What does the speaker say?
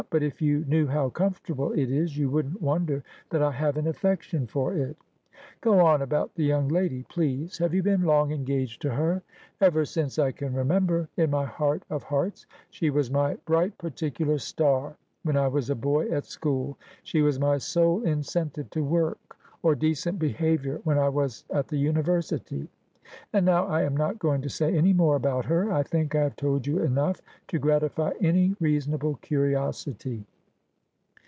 But if you knew how comfortable it is you wouldn't wonder that I have an affection for it.' ' Go on about the young lady, please. Have you been long engaged to her ?'' Ever since I can remember, in my heart of hearts : she was ' And this was gladly in the Eventide.' 21 my bright particular star when I was a boy at school : she was my sole incentive to work, or decent behaviour, when I was at the University. And now I am not going to say any more about her. I think I have told you enough to gratify any reasonable curiosity.